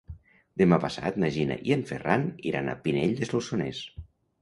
Demà passat na Gina i en Ferran iran a Pinell de Solsonès.